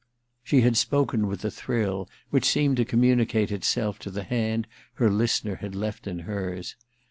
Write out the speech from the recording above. ...* She had spoken with a thrill which seemed to communicate itself to the hand her listener had left in hers.